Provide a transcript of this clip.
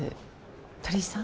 鳥居さん？